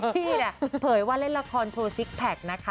พี่เนี่ยเผยว่าเล่นละครโชว์ซิกแพคนะคะ